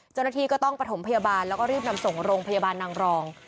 เจ้าหน้าที่ก็ต้องประถมพยาบาลแล้วก็รีบนำส่งโรงพยาบาลนางรอง